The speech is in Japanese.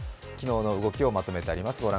昨日の動きをまとめてあります。